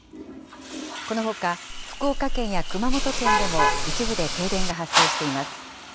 このほか、福岡県や熊本県でも一部で停電が発生しています。